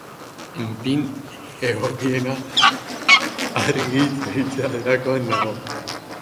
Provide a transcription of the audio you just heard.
Enpin, egokiena argi hitz egitea delakoan nago.